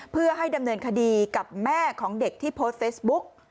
เพื่อให้ดำเนินคดีกับแม่ของเด็กที่โพสต์เฟซบุ๊ก